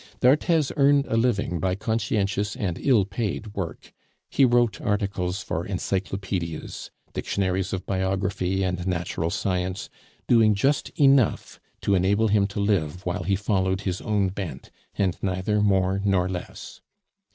D'Arthez earned a living by conscientious and ill paid work; he wrote articles for encyclopaedias, dictionaries of biography and natural science, doing just enough to enable him to live while he followed his own bent, and neither more nor less.